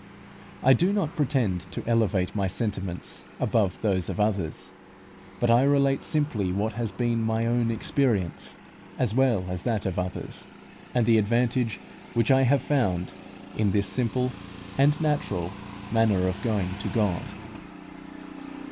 I do not pretend to elevate my sentiments above those of others, but I relate simply what has been my own experience as well as that of others, and the advantage which I have found in this simple and natural manner of going to God.